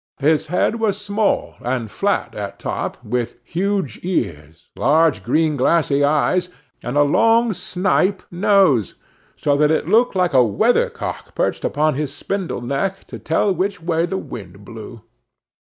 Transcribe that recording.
His head was small, and flat at top, with huge ears, large green glassy eyes, and a long snipe nose, so that it looked like a weather cock perched upon his spindle neck to tell which way the wind blew.